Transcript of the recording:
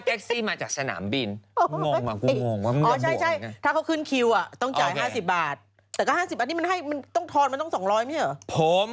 ไม่ยอมให้มันบอกว่าไงรู้ป่ะ